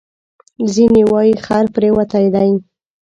ځینې وایي خر پرېوتی دی.